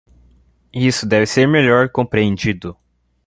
Isso deve ser melhor compreendido.